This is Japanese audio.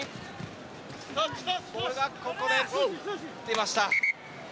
ボールがここで出ました。